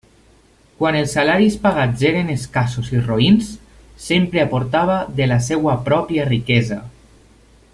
Quan els salaris pagats eren escassos i roïns, sempre aportava de la seva pròpia riquesa.